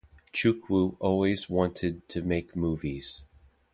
Chukwu always wanted to make movies.